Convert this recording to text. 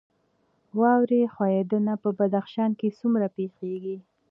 واورې ښویدنه په بدخشان کې څومره پیښیږي؟